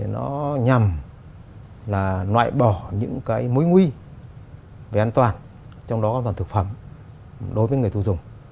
nó nhằm là loại bỏ những cái mối nguy về an toàn trong đó là an toàn thực phẩm đối với người thù dùng